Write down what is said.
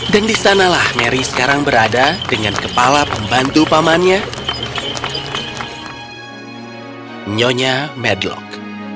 dan disanalah mary sekarang berada dengan kepala pembantu pamannya nyonya medlock